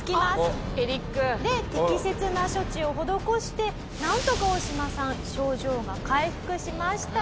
で適切な処置を施してなんとかオオシマさん症状が回復しました。